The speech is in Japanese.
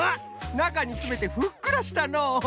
なかにつめてふっくらしたのう。